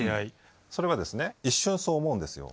それはですね一瞬そう思うんですよ。